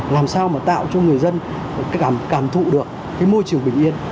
làm sao mà tạo cho người dân cảm thụ được cái môi trường bình yên